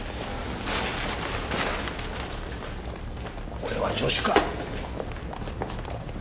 俺は助手かっ。